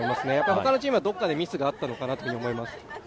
ほかのチームはどこかでミスがあったのかなと思います。